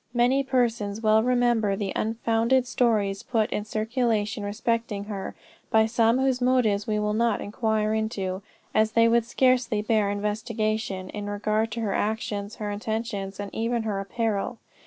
Many persons well remember the unfounded stories put in circulation respecting her, by some whose motives we will not inquire into, as they would scarcely bear investigation, in regard to her actions, her intentions, and even her apparel.